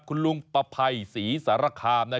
คุณลุงปะไภศรีสารคาม